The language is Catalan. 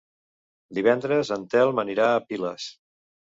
Divendres en Telm anirà a Piles.